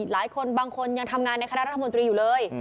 หลายคนบางคนยังทำงานในคณะรัฐมนตรีอยู่เลย